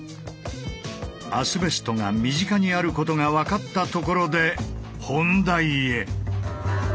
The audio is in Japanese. アスベストが身近にあることが分かったところで本題へ。